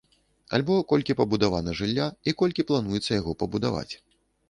Альбо колькі пабудавана жылля і колькі плануецца яго пабудаваць.